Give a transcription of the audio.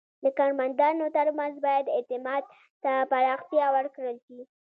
د کارمندانو ترمنځ باید اعتماد ته پراختیا ورکړل شي.